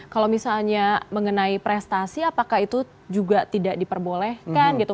kalau misalnya mengenai prestasi apakah itu juga tidak diperbolehkan gitu